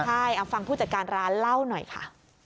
ใช่เอาฟังผู้จัดการร้านเล่าหน่อยค่ะ